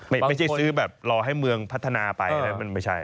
ไม่ใช่ซื้อแบบรอให้เมืองพัฒนาไปนะมันไม่ใช่